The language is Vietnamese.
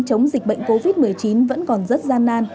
chống dịch bệnh covid một mươi chín vẫn còn rất gian nan